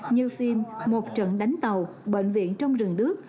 như phim một trận đánh tàu bệnh viện trong rừng đước